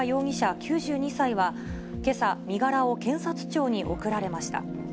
９２歳は、けさ、身柄を検察庁に送られました。